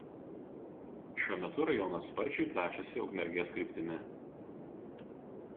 Šiuo metu rajonas sparčiai plečiasi Ukmergės kryptimi.